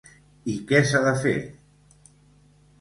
I què s’ha de fer?